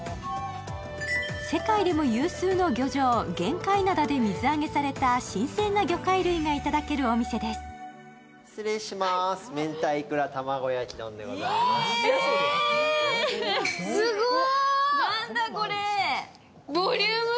世界でも有数の魚場・玄界灘で飼育された新鮮な魚介類がいただけるお店ですなんだ、これ。